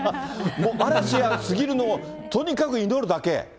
もう嵐が過ぎるのをとにかく祈るだけ？